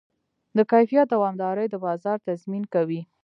د کیفیت دوامداري د بازار تضمین کوي.